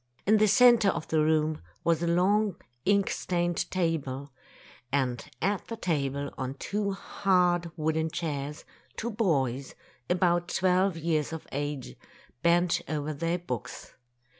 In the centre of the room was a long ink stained table, and at the table, on two hard wooden chairs, two boys, about twelve years of age, bent over their books.